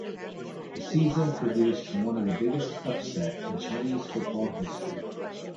The season produced one of the biggest upset in Chinese football history.